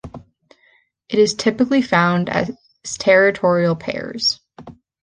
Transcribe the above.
It is typically found as territorial pairs.